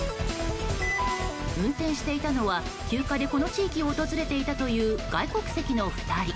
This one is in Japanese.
運転していたのは休暇でこの地域を訪れていたという外国籍の２人。